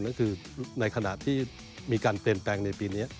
นั่นคือในขณะที่มีการเปลี่ยนแปลงในปีนี้